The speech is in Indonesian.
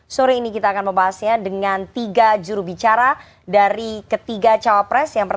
sore ini kita akan membahasnya dengan tiga jurubicara dari ketiga cawapres